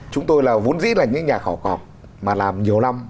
chúng tôi vốn dĩ là những nhà khảo cổ mà làm nhiều lòng